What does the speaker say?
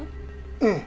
ええ。